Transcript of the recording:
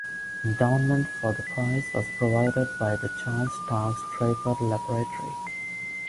Endowment for the prize was provided by the Charles Stark Draper Laboratory.